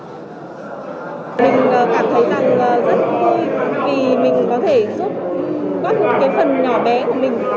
mình cảm thấy rằng rất vui vì mình có thể giúp các phần nhỏ bé của mình